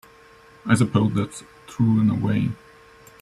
I suppose that's true in a way.